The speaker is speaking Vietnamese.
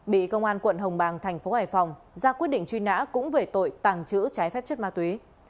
bị công an quận hồng bàng thành phố hải phòng ra quyết định truy nã cũng về tội tàng trữ trái phép chất ma túy